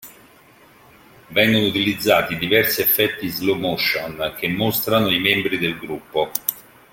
Vengono utilizzati diversi effetti slow-motion che mostrano i membri del gruppo.